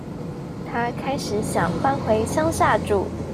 她開始想搬回鄉下住